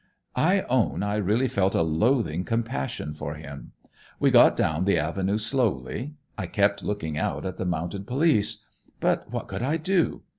"I own I really felt a loathing compassion for him. We got down the avenue slowly. I kept looking out at the mounted police. But what could I do?